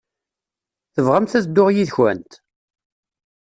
Tebɣamt ad dduɣ yid-kent?